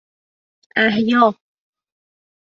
اَحیا